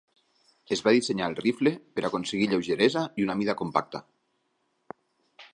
Es va dissenyar el rifle per aconseguir lleugeresa i una mida compacta.